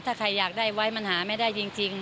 ถ้าใครอยากได้ไว้มันหาไม่ได้จริง